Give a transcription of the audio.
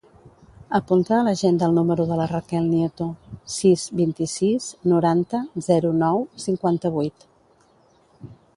Apunta a l'agenda el número de la Raquel Nieto: sis, vint-i-sis, noranta, zero, nou, cinquanta-vuit.